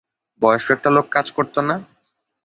বয়স্ক একটা লোক কাজ করত না?